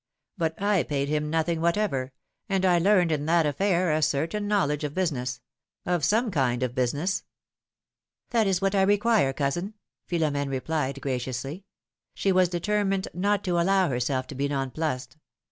But I paid him nothing whatever, and I learned in that affair a certain knowledge of busi ness — of some kind of business." ^^That is what I require, cousin," Philom^ne replied, graciously ; she was determined not to allow herself to be nonplussed.